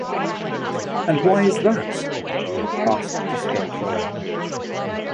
And why is that? asked the Scarecrow.